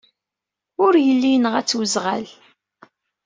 Ur yelli yenɣa-tt weẓɣal.